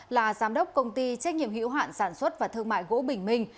là giám đốc công ty trách nhiệm hữu hạn sản xuất và thương mại gỗ bình minh